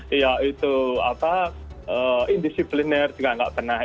dia itu indisipliner juga tidak pernah